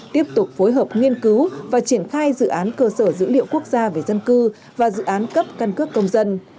tiếp tục phối hợp nghiên cứu và triển khai dự án cơ sở dữ liệu quốc gia về dân cư và dự án cấp căn cước công dân